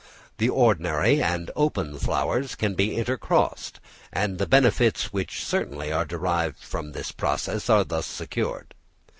The ordinary and open flowers can be intercrossed; and the benefits which certainly are derived from this process are thus secured.